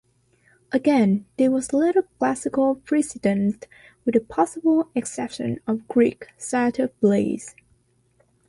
Again, there was little Classical precedent, with the possible exception of Greek satyr plays.